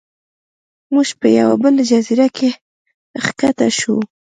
موږ په یوه بله جزیره کې ښکته شو.